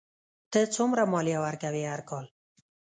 ته څومره مالیه ورکوې هر کال؟